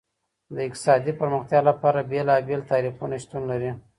د اقتصادي پرمختيا لپاره بېلابېل تعريفونه شتون لري.